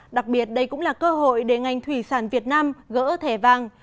đặc biệt đây cũng là cơ hội để ngành thủy sản việt nam gỡ thẻ vàng